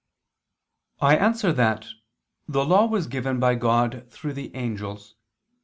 I answer that, The Law was given by God through the angels.